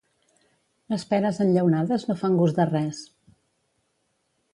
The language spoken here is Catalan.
Les peres enllaunades no fan gust de res.